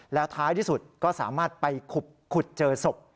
แล้วท้ายที่สุดก็สามารถไปขุดเจอศพ